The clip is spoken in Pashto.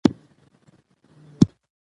که ترانسپورت وي نو تګ راتګ نه ځنډیږي.